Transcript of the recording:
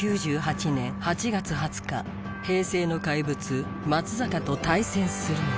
平成の怪物松坂と対戦するのは。